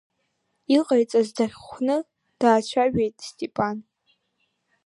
Иҟаиҵаз дахьхәны даацәажәеит Степан.